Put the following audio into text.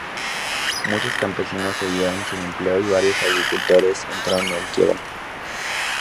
Muchos campesinos se vieron sin empleo y varios agricultores entraron en quiebra.